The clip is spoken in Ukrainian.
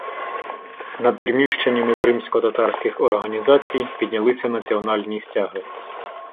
Над приміщеннями кримськотатарських організацій піднялися національні стяги.